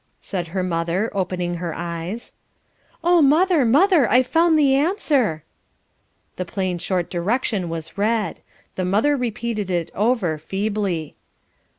said her mother, opening her eyes. "Oh, mother, mother, I've found the answer." The plain short direction was read; the mother repeated it over feebly.